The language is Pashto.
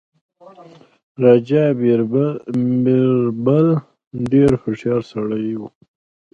راجا بیربل ډېر هوښیار سړی وو.